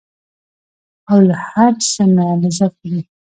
او له هر څه نه لذت وړي.